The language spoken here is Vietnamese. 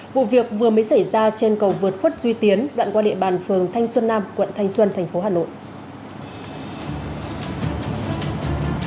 vụ việc vừa mới xảy ra trên cầu vượt khuất duy tiến đoạn qua địa bàn phường thanh xuân nam quận thanh xuân thành phố hà nội